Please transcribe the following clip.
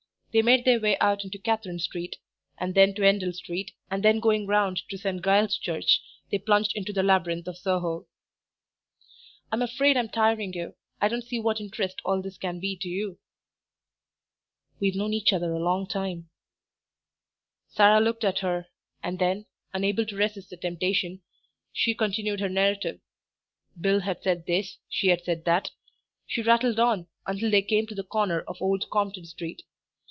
They made their way out into Catherine Street, and then to Endell Street, and then going round to St. Giles' Church, they plunged into the labyrinth of Soho. "I'm afraid I'm tiring you. I don't see what interest all this can be to you." "We've known each other a long time." Sarah looked at her, and then, unable to resist the temptation, she continued her narrative Bill had said this, she had said that. She rattled on, until they came to the corner of Old Compton Street.